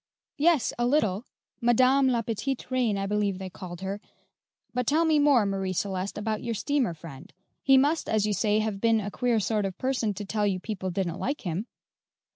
"Yes, a little Madame La Petite Reine, I believe they called her; but tell me more, Marie Celeste, about your steamer friend. He must, as you say, have been a queer sort of a person to tell you people didn't like him."